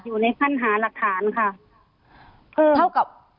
อยู่ในขั้นหาหลักฐานค่ะ